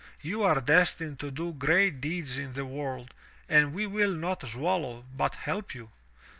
You are destined to do great deeds in the world, and we will not swallow, but help you."